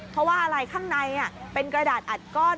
เพราะว่าอะไรข้างในเป็นกระดาษอัดก้อน